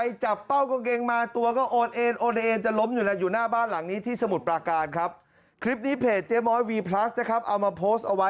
มันมีก้องอยู่นั่นอ่ะเห็นบ๊ะ